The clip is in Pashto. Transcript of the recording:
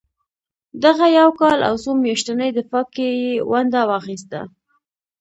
دغه یو کال او څو میاشتني دفاع کې یې ونډه واخیسته.